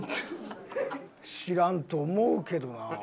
知らんと思うけどな。